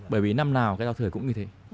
bởi vì năm nào giao thừa cũng như thế